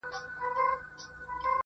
رنځ یې تللی له هډونو تر رګونو،